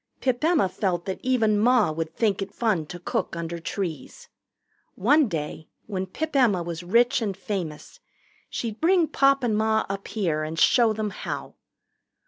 Pip Emma felt that even Ma would think it fun to cook under trees. One day when Pip Emma was rich and famous, she'd bring Pop and Ma up here and show them how.